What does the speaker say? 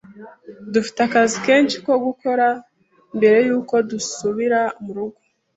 Dufite akazi kenshi ko gukora mbere yuko dusubira murugo.